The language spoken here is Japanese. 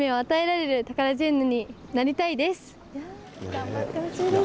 頑張ってほしいですね。